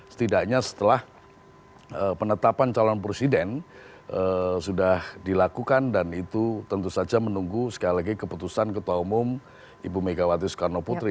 setidaknya setelah penetapan calon presiden sudah dilakukan dan itu tentu saja menunggu sekali lagi keputusan ketua umum ibu megawati soekarno putri